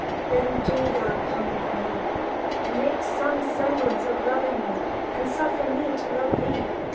Then do thou come with me, and make some semblance of loving me, and suffer me to love thee.